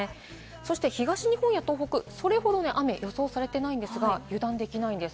そして東日本や東北、それほど雨は予想されていないですが、油断できないです。